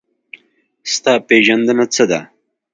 ستا پېژندنه څه ده؟